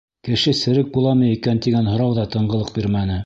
Кеше серек буламы икән тигән һорау ҙа тынғылыҡ бирмәне...